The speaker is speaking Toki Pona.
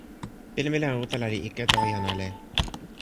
pilin mi la utala li ike tawa jan ale.